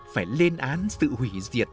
phải lên án sự hủy diệt